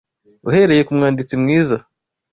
uhereye ku mwanditsi mwiza